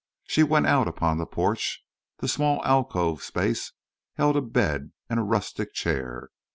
She went out upon the porch. The small alcove space held a bed and a rustic chair.